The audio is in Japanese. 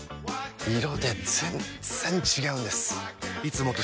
色で全然違うんです！